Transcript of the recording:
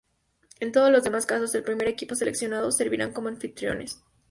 En todos los demás casos, el primer equipo seleccionado servirá como anfitriones.